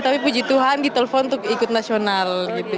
tapi puji tuhan ditelepon untuk ikut nasional